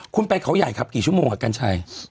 คุณไปเขาใหญ่ครับกี่ชั่วโมงครับกัญชัย